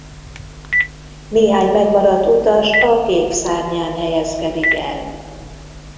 Néhány megmaradt utas a gép szárnyán helyezkedik el.